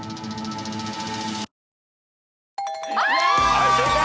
はい正解。